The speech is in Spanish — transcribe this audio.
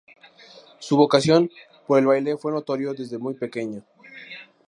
Su vocación por el baile fue notoria desde muy pequeña.